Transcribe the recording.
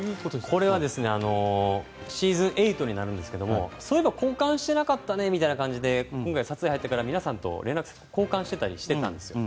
これはシーズン８になるんですがそういえば交換してなかったねみたいな感じで今回、撮影入ってから皆さんと交換してたりしたんですよ。